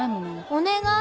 お願い！